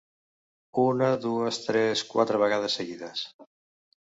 Una dues tres quatre vegades seguides.